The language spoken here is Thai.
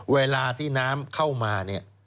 เวลาที่น้ำเข้ามา